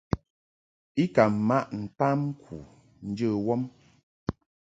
I ka maʼ ntamku njə wɔm.